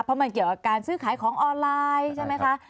เพราะมันเกี่ยวกับการซื้อขายของออนไลน์ใช่ไหมคะ